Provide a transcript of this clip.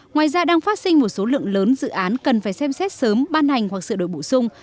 ngoài ra đang phát sinh một số lượng lớn dự án cần phải xem xét sớm ban hành hoặc sửa đổi bổ sung